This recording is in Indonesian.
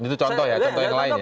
itu contoh ya contoh yang lainnya